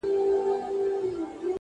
پرمختګ د جرئت غوښتنه کوي,